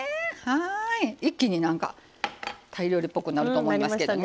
一気になんかタイ料理っぽくなると思いますけどね。